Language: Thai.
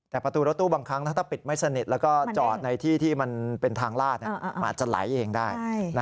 แต่ประตูรถตู้บางครั้งถ้าปิดไม่สนิทแล้วก็จอดในที่ที่มันเป็นทางลาดอาจจะไหลเองได้